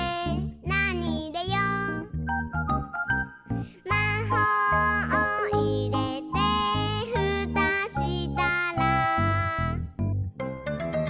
「なにいれよう？」「まほうをいれてふたしたら」